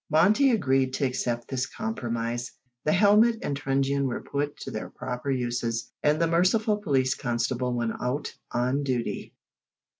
Monty agreed to accept this compromise. The helmet and truncheon were put to their proper uses, and the merciful police constable went out "on duty."